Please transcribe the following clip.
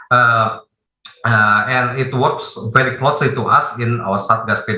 dan ini berfungsi dengan kita di satgas p dua dd